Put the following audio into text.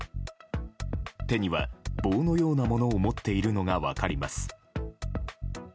手には棒のようなものを持っているのが分かります。